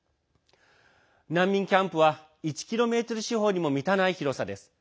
難民キャンプは１ｋｍ四方にも満たない広さです。